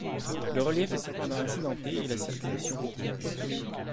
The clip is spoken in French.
Le relief est cependant accidenté et la circulation routière peu fluide.